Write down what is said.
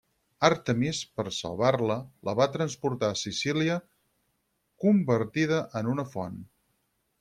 Àrtemis, per salvar-la, la va transportar a Sicília convertida en una font.